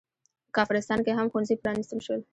په کافرستان کې هم ښوونځي پرانستل شول.